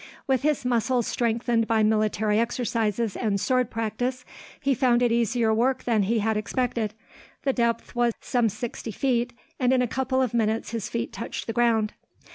With his muscles strengthened by military exercises and sword practice, he found it easier work than he had expected. The depth was some sixty feet, and in a couple of minutes his feet touched the ground.